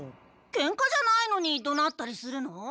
けんかじゃないのにどなったりするの？